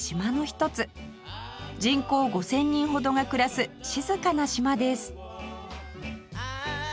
人口５０００人ほどが暮らす静かな島です